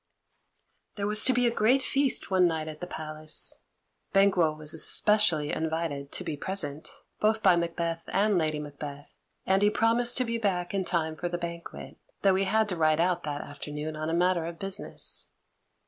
There was to be a great feast one night at the palace. Banquo was especially invited to be present, both by Macbeth and Lady Macbeth, and he promised to be back in time for the banquet, though he had to ride out that afternoon on a matter of business.